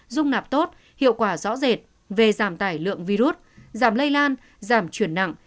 dung nạp tốt hiệu quả rõ rệt về giảm tải lượng virus giảm lây lan giảm chuyển nặng